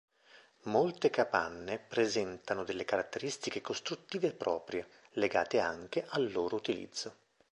Molte capanne presentano delle caratteristiche costruttive proprie, legate anche al loro utilizzo.